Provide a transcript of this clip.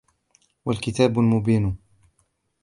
والكتاب المبين